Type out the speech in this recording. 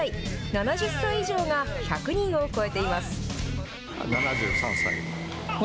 ７０歳以上が１００人を超えています。